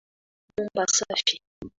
Nyumba safi.